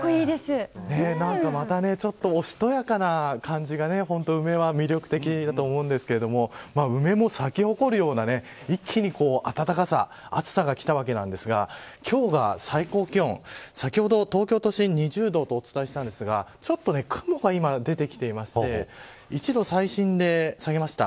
また、おしとやかな感じが梅は魅力的だと思うんですけど梅も咲き誇るような一気に暖かさ暑さがきたわけなんですが今日の最高気温先ほど東京都心２０度とお伝えしたんですがちょっと雲が今出てきていまして１度、最新で下げました。